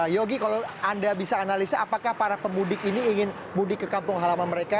yogi kalau anda bisa analisa apakah para pemudik ini ingin mudik ke kampung halaman mereka